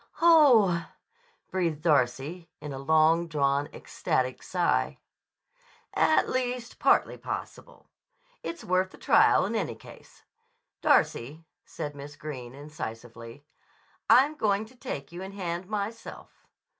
"Oh h h h!" breathed Darcy in a long drawn, ecstatic sigh. "At least partly possible. It's worth the trial, in any case. Darcy," said Miss Greene incisively, "I'm going to take you in hand, myself."